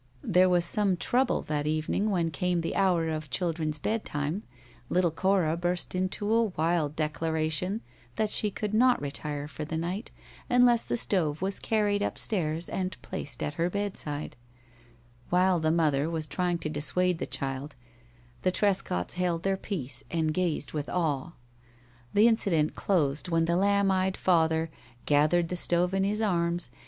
There was some trouble that evening when came the hour of children's bedtime. Little Cora burst into a wild declaration that she could not retire for the night unless the stove was carried up stairs and placed, at her bedside. While the mother was trying to dissuade the child, the Trescott's held their peace and gazed with awe. The incident closed when the lamb eyed father gathered the stove in his arms and preceded the angel child to her chamber.